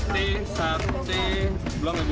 t sat c belum ibu